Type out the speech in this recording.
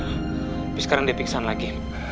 tapi sekarang dia pingsan lagi